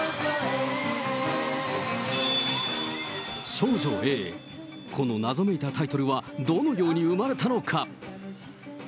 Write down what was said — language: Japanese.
少女Ａ、この謎めいたタイトルは、どのように生まれたのか。